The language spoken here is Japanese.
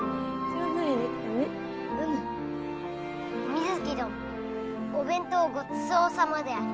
美月どのお弁当ごちそうさまである。